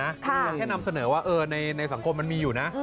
แล้วแค่นำเสนอว่าในสังคมมันมีอยู่นะ